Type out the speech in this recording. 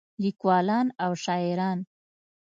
لیکولان او شاعران